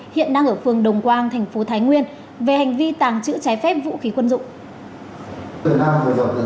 hiện đang ở phường đồng quang thành phố thái nguyên về hành vi tàng trữ trái phép vũ khí quân dụng